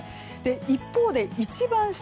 一方で一番下